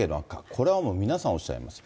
これはもう、皆さんおっしゃいます。